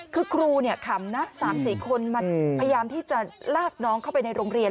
คือครูขำนะ๓๔คนมาพยายามที่จะลากน้องเข้าไปในโรงเรียน